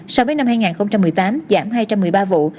so với năm hai nghìn một mươi tám giảm hai trăm một mươi ba vụ